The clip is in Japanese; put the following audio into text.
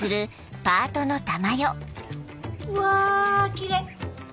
うわキレイ！